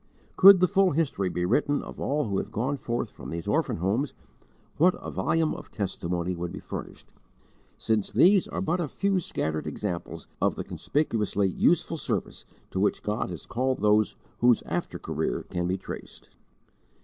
Could the full history be written of all who have gone forth from these orphan homes, what a volume of testimony would be furnished, since these are but a few scattered examples of the conspicuously useful service to which God has called those whose after career can be traced!